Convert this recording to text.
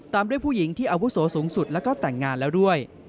ตามด้วยผู้หญิงที่อาวุโสสูงสุดแล้วก็แต่งงานแล้วด้วย